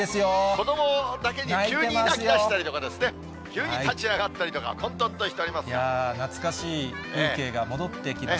子どもだけに、急に泣きだしたりとかですね、急に立ち上がったりとか、懐かしい風景が戻ってきまし